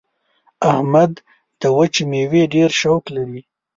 احمد د وچې مېوې ډېر ذوق لري.